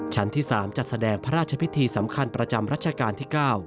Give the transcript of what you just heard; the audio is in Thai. ชั้นที่๓จัดแสดงพระราชพิธีสำคัญประจำรัชกาลที่๙